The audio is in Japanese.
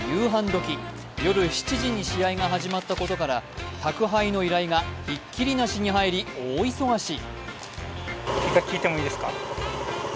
時、夜７時に試合が始まったことから宅配の依頼がひっきりなしに入り、大忙し。